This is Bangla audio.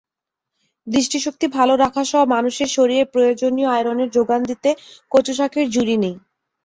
দৃষ্টিশক্তি ভালো রাখাসহ মানুষের শরীরে প্রয়োজনীয় আয়রনের জোগান দিতে কচুশাকের জুড়ি নেই।